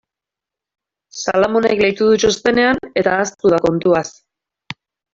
Salamonek leitu du txostenean eta ahaztu da kontuaz.